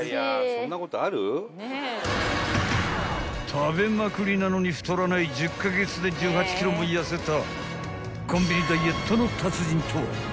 ［食べまくりなのに太らない１０カ月で１８ｋｇも痩せた］